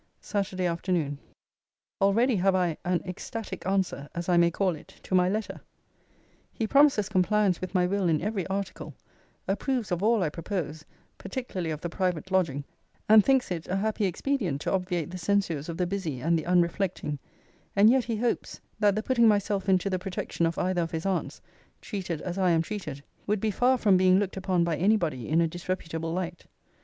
] SATURDAY AFTERNOON. Already have I an ecstatic answer, as I may call it, to my letter. 'He promises compliance with my will in every article: approves of all I propose; particularly of the private lodging: and thinks it a happy expedient to obviate the censures of the busy and the unreflecting: and yet he hopes, that the putting myself into the protection of either of his aunts, (treated as I am treated,) would be far from being looked upon by any body in a disreputable light.